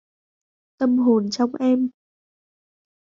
Tâm hồn trong em